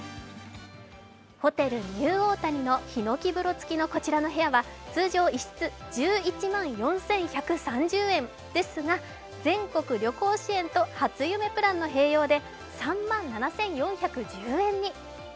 ホテルニューオータニのひのき風呂付きのこちらの部屋は通常、１室１１万４１３０円ですが全国旅行支援と初夢プランの併用で３万７４１０円に。